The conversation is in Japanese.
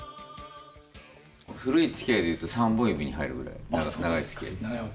古いつきあいでいうと３本指に入るぐらい長いつきあいです。